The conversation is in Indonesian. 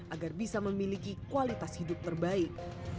agar bisa memiliki kualitas hidup terbaik